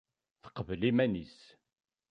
Teqbel iman-is.